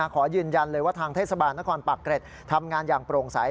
ขอยืนยันเลยว่าทางเทศบาลนครปากเกร็ดทำงานอย่างโปร่งใส